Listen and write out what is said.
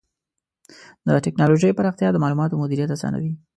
د ټکنالوجۍ پراختیا د معلوماتو مدیریت آسانوي.